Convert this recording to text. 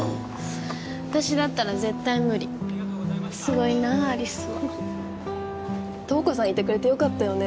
私だったら絶対無理すごいな有栖は瞳子さんいてくれてよかったよね